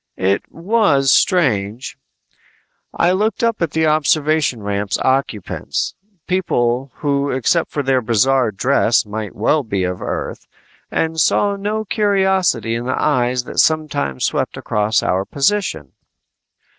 It was strange. I looked up at the observation ramp's occupants people who except for their bizarre dress might well be of Earth and saw no curiosity in the eyes that sometimes swept across our position.